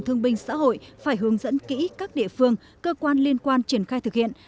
thương binh xã hội phải hướng dẫn kỹ các địa phương cơ quan liên quan triển khai thực hiện